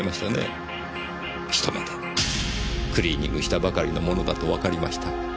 一目でクリーニングしたばかりのものだとわかりました。